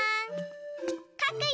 かくよ！